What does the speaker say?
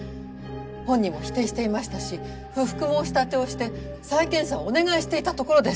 本人も否定していましたし不服申立てをして再検査をお願いしていたところです！